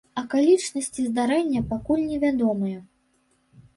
Акалічнасці здарэння пакуль не вядомыя.